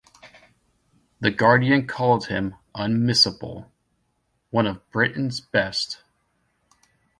The Guardian called him unmissable... one of Britain's best.